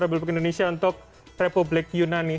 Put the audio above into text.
republik indonesia untuk republik yunani